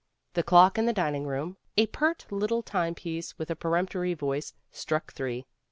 The clock in the dining room, a pert little time piece with a peremptory voice, struck three.